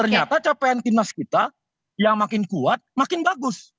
ternyata capaian timnas kita yang makin kuat makin bagus